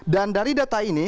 dan dari data ini